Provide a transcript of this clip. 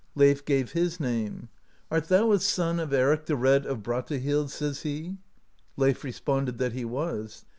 Leif gave his name. "Art thou a son of Eric the Red of Brattahlid ?" says he. Leif responded that he was.